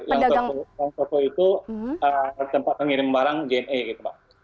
yang toko itu tempat mengirim barang jni gitu mbak